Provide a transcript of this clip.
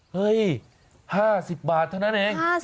เฮ้ย๕๐บาทเท่านั้นเอง